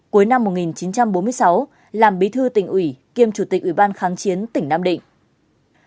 cuối năm một nghìn chín trăm bốn mươi sáu làm bí thư tỉnh ủy kiêm chủ tịch ủy ban kháng chiến tỉnh nam định